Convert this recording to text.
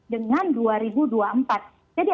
dengan dua ribu dua puluh empat jadi